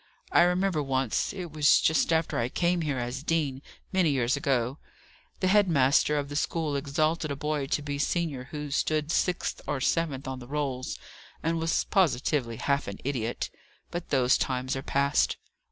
I remember once it was just after I came here as dean, many years ago the head master of the school exalted a boy to be senior who stood sixth or seventh on the rolls, and was positively half an idiot. But those times are past."